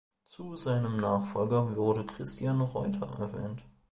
Zu seinem Nachfolger wurde Christian Reuter erwählt.